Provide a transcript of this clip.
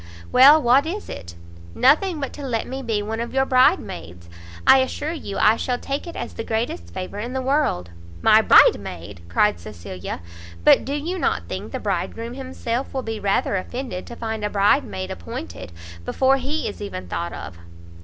"Well, what is it?" "Nothing but to let me be one of your bride maids. I assure you I shall take it as the greatest favour in the world." "My bride maid!" cried Cecilia; "but do you not think the bridegroom himself will be rather offended to find a bridesmaid appointed, before he is even thought of?"